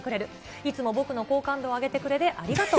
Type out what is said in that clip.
いつも僕の好感度を上げてくれてありがとう！